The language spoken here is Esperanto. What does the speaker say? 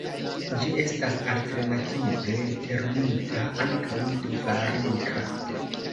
Ĝi estas alternative literumita ankaŭ Dvarika.